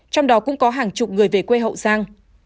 trong đó cũng có hàng chục người về quê hậu giang